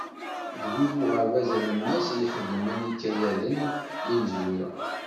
D wid uɣerbaz alemmas i ixeddmen ikayaden d imezwura.